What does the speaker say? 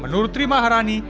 menurut rimah harani